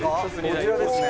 こちらですね。